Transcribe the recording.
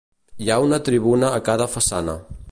Hi ha una tribuna a cada façana.